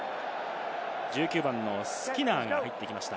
１９番スキナーが入ってきました。